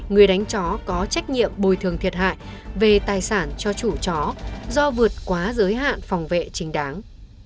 người đánh chó có trách nhiệm bồi thường thiệt hại về tài sản cho chủ chó do vượt quá giới hạn phòng vệ chính đáng